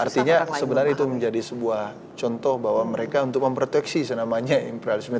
artinya sebenarnya itu menjadi sebuah contoh bahwa mereka untuk memproteksi senamanya imperialisme